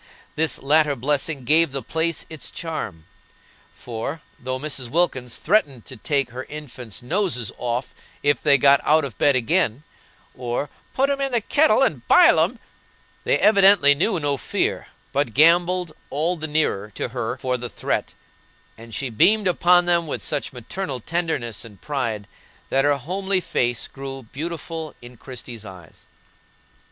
This latter blessing gave the place its charm, for, though Mrs. Wilkins threatened to take her infants' noses off if they got out of bed again, or "put 'em in the kettle and bile 'em" they evidently knew no fear, but gambolled all the nearer to her for the threat; and she beamed upon them with such maternal tenderness and pride that her homely face grew beautiful in Christie's eyes.